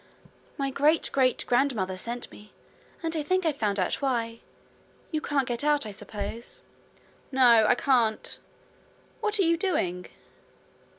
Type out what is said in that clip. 'My great great grandmother sent me; and I think I've found out why. You can't get out, I suppose?' 'No, I can't. What are you doing?'